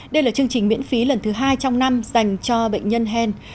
đây là chương trình miễn phí lần thứ hai trong năm dành cho bệnh nhân hen